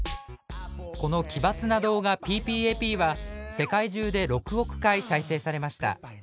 この奇抜な動画「ＰＰＡＰ」は世界中で６億回再生されました。